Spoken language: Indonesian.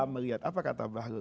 melihat apa kata bahlul